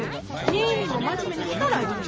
ニーニーも真面目に働いて。